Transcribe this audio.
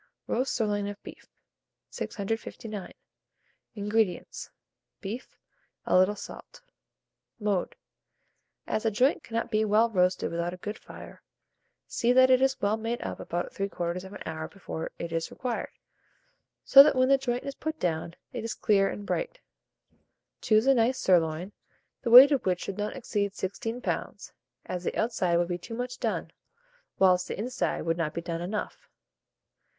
ROAST SIRLOIN OF BEEF. 659. INGREDIENTS. Beef, a little salt. Mode. As a joint cannot be well roasted without a good fire, see that it is well made up about 3/4 hour before it is required, so that when the joint is put down, it is clear and bright. Choose a nice sirloin, the weight of which should not exceed 16 lbs., as the outside would be too much done, whilst the inside would not be done enough.